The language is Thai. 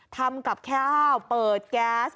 ทำกับแค่าเปิดก๊าซ